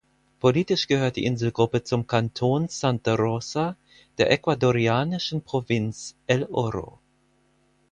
Politisch gehört die Inselgruppe zum Kanton Santa Rosa der ecuadorianischen Provinz El Oro.